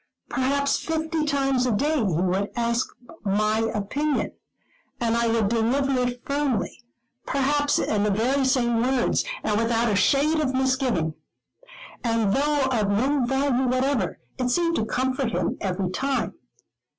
Perhaps fifty times a day, he would ask for my opinion, and I would deliver it firmly, perhaps in the very same words and without a shade of misgiving; and though of no value whatever, it seemed to comfort him every time.